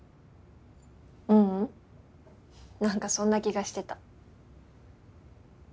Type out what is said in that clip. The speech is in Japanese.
ううん何かそんな気がしてた。